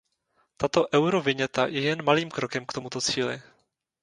Tato euroviněta je jen malým krokem k tomuto cíli.